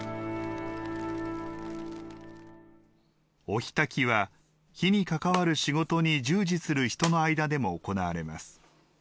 お火焚きは、火に関わる仕事に従事する人の間でも行われます。